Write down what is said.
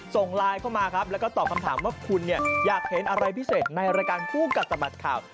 ส่งไลน์เข้ามาครับแล้วก็ตอบคำถามว่าคุณเนี่ยอยากเห็นอะไรพิเศษในรายการคู่กัดสะบัดข่าว